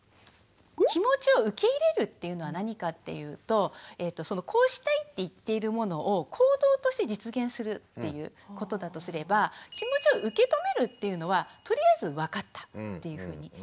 気持ちを受け入れるっていうのは何かっていうとこうしたいって言っているものを行動として実現するっていうことだとすれば気持ちを受け止めるっていうのはとりあえず「わかった」っていうふうに言うこと。